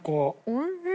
おいしい！